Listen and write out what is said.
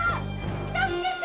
助けて！